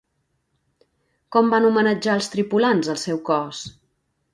Com van homenatjar els tripulants el seu cos?